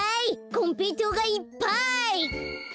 こんぺいとうがいっぱい！